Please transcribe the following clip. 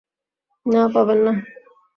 না, পাবেন না।